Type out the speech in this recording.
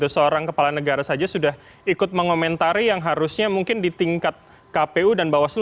seorang kepala negara saja sudah ikut mengomentari yang harusnya mungkin di tingkat kpu dan bawaslu